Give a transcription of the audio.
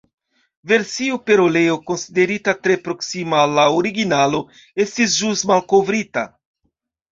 Versio per oleo, konsiderita tre proksima al la originalo, estis ĵus malkovrita.